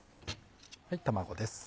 卵です。